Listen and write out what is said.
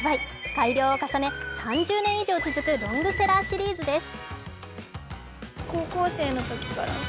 改良を重ね、３０年以上続くロングセラーシリーズです。